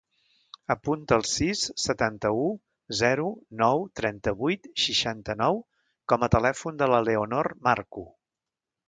Apunta el sis, setanta-u, zero, nou, trenta-vuit, seixanta-nou com a telèfon de la Leonor Marcu.